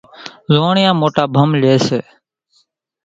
زوئاڻيا موٽا ڀم لئي سي